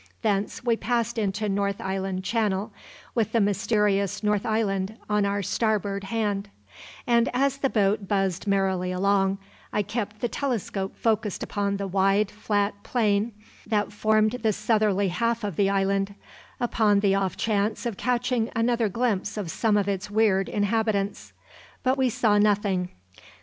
Thence we passed into North Island Channel, with the mysterious North Island on our starboard hand; and as the boat buzzed merrily along I kept the telescope focused upon the wide, flat plain that formed the southerly half of the island, upon the off chance of catching another glimpse of some of its weird inhabitants. But we saw nothing.